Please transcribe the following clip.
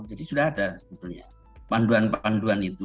jadi sudah ada panduan panduan itu